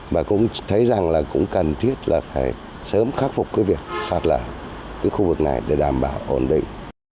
và cũng thấy rằng là cũng cần thiết là phải sớm khắc phục cái việc sạt lở cái khu vực này để đảm bảo ổn định